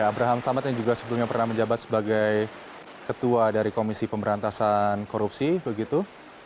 abraham samad yang juga sebelumnya pernah menjabat sebagai ketua dari komisi pemberantasan korupsi begitu